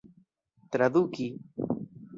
traduki